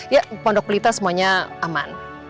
ya pondok pelita semuanya aman